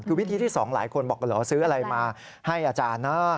คือวิธีที่๒หลายคนบอกเหรอซื้ออะไรมาให้อาจารย์นะ